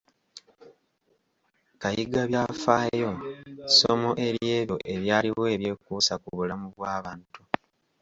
Kayigabyafaayo, ssomo ery’ebyo ebyaliwo ebyekuusa ku bulamu bw’abantu.